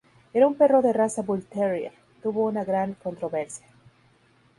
Era un perro de raza bull terrier, tuvo una gran controversia.